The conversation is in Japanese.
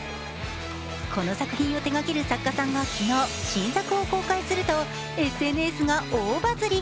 この作品を手がける作家さんが昨日、新作を公開すると、ＳＮＳが大バズり。